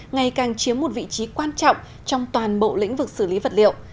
ngày càng chiếm một vị trí quan trọng trong toàn bộ lĩnh vực xử lý vật liệu